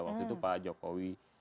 waktu itu pak jokowi